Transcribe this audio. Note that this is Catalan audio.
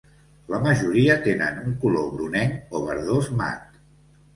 La majoria tenen un color brunenc o verdós mat.